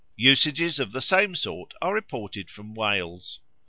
Usages of the same sort are reported from Wales.